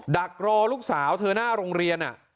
ดักรอลูกสาวเธอหน้าโรงเรียน